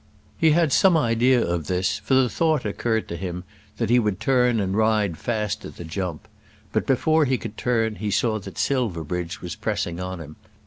He had some idea of this, for the thought occurred to him that he would turn and ride fast at the jump. But before he could turn he saw that Silverbridge was pressing on him.